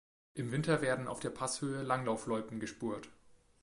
Im Winter werden auf der Passhöhe Langlaufloipen gespurt.